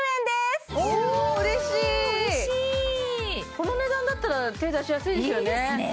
この値段だったら手出しやすいですよね